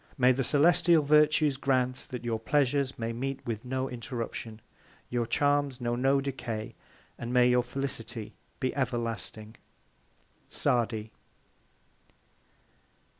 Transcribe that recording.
May the Celestial Virtues grant, that your Pleasures may meet with no Interruption; your Charms know no Decay; and may your Felicity be everlasting! _SADI.